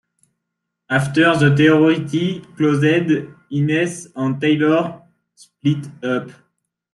After the territory closed, Hines and Taylor split up.